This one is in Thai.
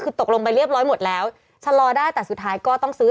คือตกลงไปเรียบร้อยหมดแล้วชะลอได้แต่สุดท้ายก็ต้องซื้อ